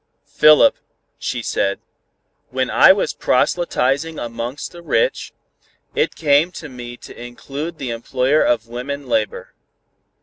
"Philip," she said, "when I was proselytizing among the rich, it came to me to include the employer of women labor.